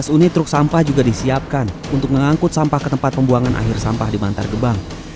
delapan belas unit truk sampah juga disiapkan untuk mengangkut sampah ke tempat pembuangan akhir sampah di bantar gebang